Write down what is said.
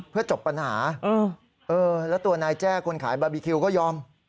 เพื่อจบปัญหาแล้วตัวนายแจ้คนขายบาร์บีคิวก็ยอม